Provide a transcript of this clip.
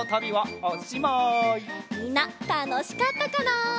みんなたのしかったかな？